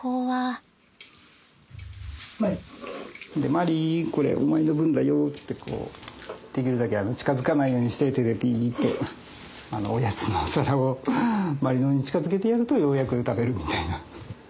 まりこれお前の分だよってできるだけ近づかないようにして手でびっとおやつのお皿をまりの方に近づけてやるとようやく食べるみたいな。